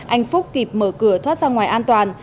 anh phúc kịp mở cửa thoát ra ngoài an toàn